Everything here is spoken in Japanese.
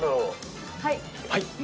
はい。